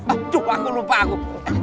aduh aku lupa aku